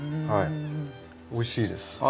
はいおいしいです。